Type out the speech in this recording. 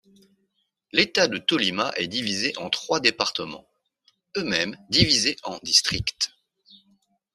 L'État de Tolima est divisé en trois départements, eux-mêmes divisés en districts.